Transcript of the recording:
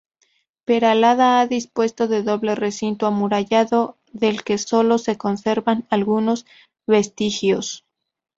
Peralada ha dispuesto de doble recinto amurallado, del que sólo se conservan algunos vestigios.